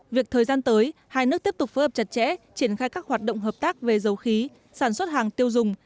việc thời gian tới hai nước tiếp tục phối hợp chặt chẽ triển khai các hoạt động hợp tác về dầu khí sản xuất hàng tiêu dùng